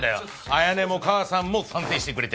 彩音も母さんも賛成してくれてる。